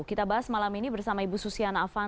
kita bahas malam ini bersama ibu susiana afan